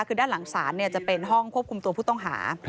คือด้านหลังศาลจะเป็นห้องควบคุมตัวผู้ต้องหา